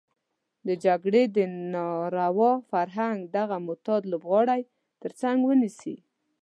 د جګړې د ناروا فرهنګ دغه معتاد لوبغاړی تر څټ ونيسي.